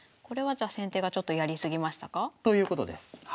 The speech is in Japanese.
これはじゃ先手がちょっとやり過ぎましたか？ということです。